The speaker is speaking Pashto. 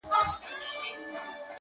پلار یې پلنډه کړ روان مخ پر بېدیا سو٫